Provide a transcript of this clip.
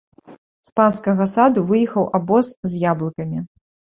З панскага саду выехаў абоз з яблыкамі.